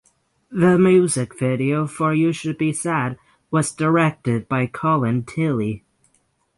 The music video for "You Should Be Sad" was directed by Colin Tilley.